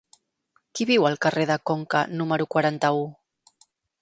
Qui viu al carrer de Conca número quaranta-u?